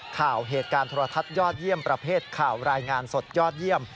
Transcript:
เหตุการณ์โทรทัศน์ยอดเยี่ยมประเภทข่าวรายงานสดยอดเยี่ยม